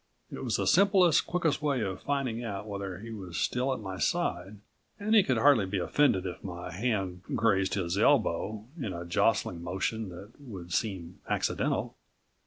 It was the simplest, quickest way of finding out whether he was still at my side and he could hardly be offended if my hand grazed his elbow in a jostling motion that would seem accidental.